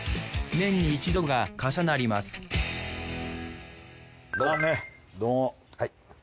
年に一度が重なりますどうも。